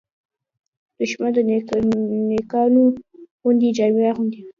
دښمن د نېکانو غوندې جامې اغوندي